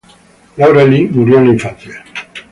Laura Lee, murió en la infancia.